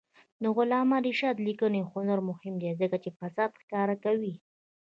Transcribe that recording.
د علامه رشاد لیکنی هنر مهم دی ځکه چې فساد ښکاره کوي.